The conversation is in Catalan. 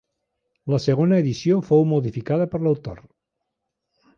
La segona edició fou modificada per l'autor.